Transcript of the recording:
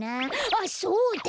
あっそうだ！